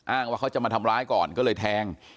ว่าเขาจะมาทำร้ายก่อนก็เลยแทง